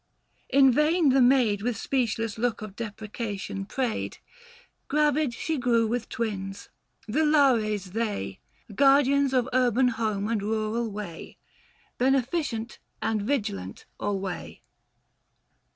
In vain the maid With speechless look of deprecation prayed. 56 THE FASTI. Book II. Gravid she grew with twins. The Lares they, Guardians of urban home and rural way ; Beneficent and vigilant alway.